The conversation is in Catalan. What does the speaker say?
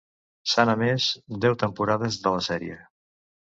S'han emès deu temporades de la sèrie.